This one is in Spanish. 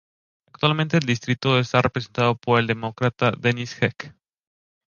Actualmente el distrito está representado por el Demócrata Dennis Heck.